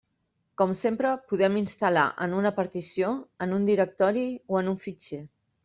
Com sempre podem instal·lar en una partició, en un directori o en un fitxer.